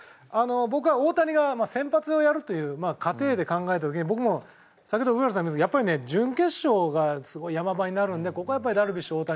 大谷が先発をやるという仮定で考えた時に先ほど上原さんも言ってたけどやっぱりね準決勝がすごい山場になるのでここはやっぱりダルビッシュ大谷。